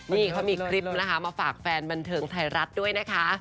นี่เขามีคลิปนะคะมาฝากแฟนบันเทิงไทยรัฐด้วยนะคะ